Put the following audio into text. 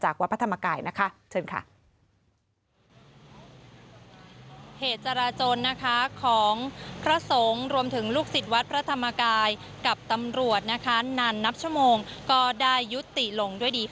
กับตำรวจนะคะนานนับชั่วโมงก็ได้ยุติลงด้วยดีค่ะ